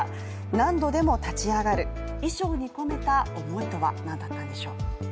何度でも立ち上がる、衣装に込めた思いとは何だったんでしょう。